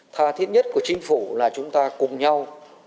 tha thiết nhất của chính phủ là chúng ta cùng nhau